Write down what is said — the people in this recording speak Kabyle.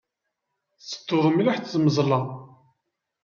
Tettedduḍ mliḥ d tmeẓla.